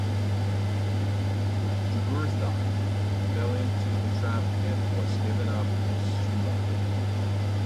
Jugurtha fell into the trap and was given up to Sulla.